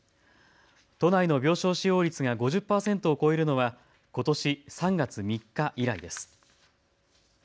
都内の病床使用率が５０％を超えるのはことし３月３日以来です。